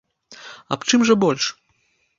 Аб чым жа больш?